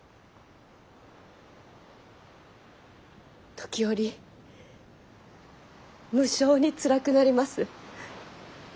時折無性につらくなります。